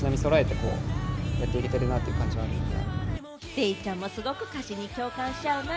デイちゃんもすごく歌詞に共感しちゃうな。